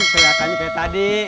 keliatannya kaya tadi